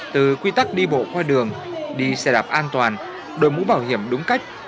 từ quy tắc đi bộ qua đường đi xe đạp an toàn đội mũ bảo hiểm đúng cách